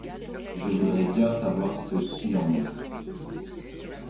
Je voudrais bien savoir ce qui en est.